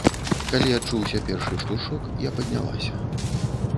Калі адчуўся першы штуршок, я паднялася.